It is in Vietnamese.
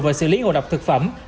và xử lý ngộ độc thực phẩm